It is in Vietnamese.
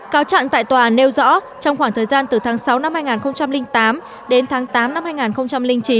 cáo trạng tại tòa nêu rõ trong khoảng thời gian từ tháng sáu năm hai nghìn tám đến tháng tám năm hai nghìn chín